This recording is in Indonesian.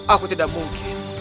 aku tidak mungkin